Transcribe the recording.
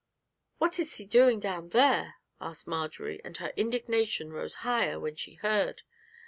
'What is he doing down there?' asked Marjory, and her indignation rose higher when she heard.